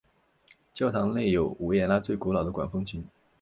教堂内有维也纳最古老的管风琴。